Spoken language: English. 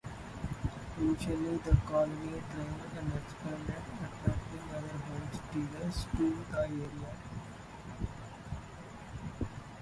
Initially, the colony thrived and expanded, attracting other homesteaders to the area.